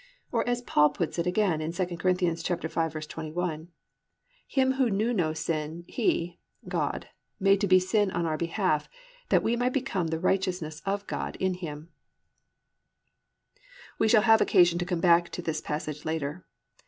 "+ Or as Paul puts it again in 2 Cor. 5:21, +"Him who knew no sin he (God) made to be sin on our behalf; that we might become the righteousness of God in Him."+ We shall have occasion to come back to this passage later.